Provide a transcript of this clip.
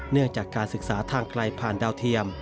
เนื่องจากการศึกษาทางไกลผ่านดาวเทียม